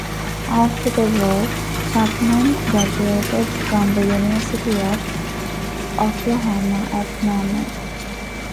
After the war, Chapman graduated from the University of Oklahoma at Norman.